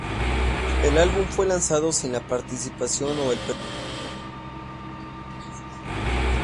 El álbum fue lanzado sin la participación o el permiso de la banda.